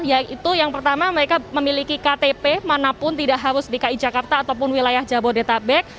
yaitu yang pertama mereka memiliki ktp manapun tidak harus dki jakarta ataupun wilayah jabodetabek